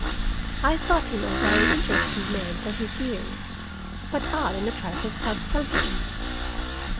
I thought him a very interesting man for his years, but odd and a trifle self centered.